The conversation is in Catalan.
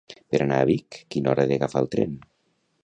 Per anar a Vic, a quina hora he d'agafar el tren?